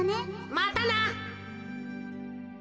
またな。